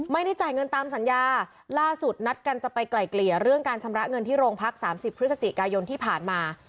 ไม่ได้จ่ายเงินตามสัญญาล่าสุดนัดกันจะไปไกลเกลี่ยเรื่องการชำระเงินที่โรงพัก๓๐พฤศจิกายนที่ผ่านมา